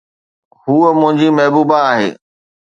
ھوءَ منھنجي محبوبا آھي.